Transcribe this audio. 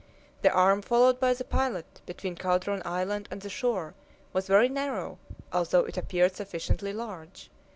The arm followed by the pilot, between Calderon Island and the shore, was very narrow, although it appeared sufficiently large.